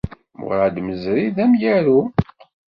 Murad Mezri, d amyaru.